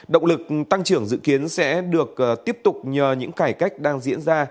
động lực tăng trưởng dự kiến sẽ được tiếp tục nhờ những cải cách đang diễn ra